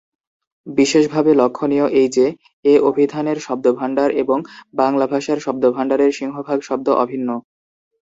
বিশেষভাবে লক্ষণীয় এই যে, এ অভিধানের শব্দভান্ডার এবং বাংলা ভাষার শব্দভান্ডারের সিংহভাগ শব্দ অভিন্ন।